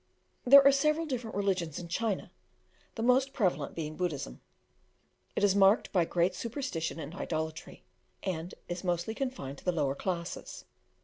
There are several different religions in China, the most prevalent being Buddhism. It is marked by great superstition and idolatry, and is mostly confined to the lower classes.